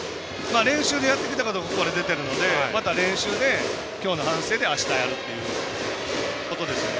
練習でやってきたことがここで出ているのでまた練習で今日の反省であしたやるということですよね。